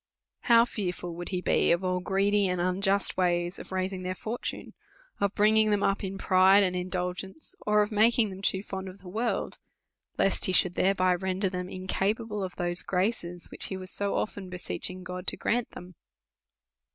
How fearful would he be of all greedy and unjust ways of raising their fortune, of bringing them up in pride and indulgence, or of making them too fond of the world, lest he should thereby render them incapa ble of those graces, which he was so often beseechinj^ God to grant them.